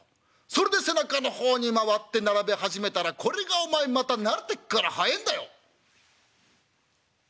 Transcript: それで背中の方に回って並べ始めたらこれがお前また慣れてっから速えんだよ」。